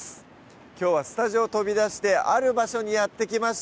きょうはスタジオを飛び出してある場所にやって来ました